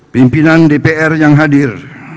pimpinan dpr yang hadir